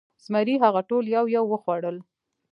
زمري هغه ټول یو یو وخوړل.